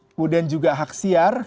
kemudian juga haksiar